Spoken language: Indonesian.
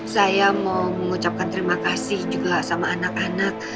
saya mau mengucapkan terima kasih juga sama anak anak